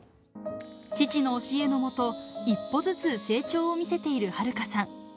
父の教えのもと、一歩ずつ成長を見せている遥加さん。